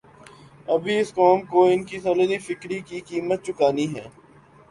ابھی اس قوم کوان کی ژولیدہ فکری کی قیمت چکانی ہے۔